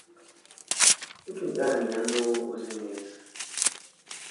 Jya uganira n uwo uzi neza